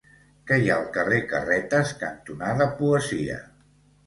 Què hi ha al carrer Carretes cantonada Poesia?